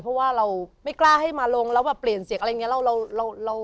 เพราะว่าเราไม่กล้าให้มาลงแล้วแบบเปลี่ยนเสียงอะไรอย่างนี้